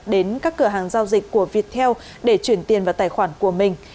đến các cửa hàng giao dịch của viettel để chuyển tiền vào tài khoản của mình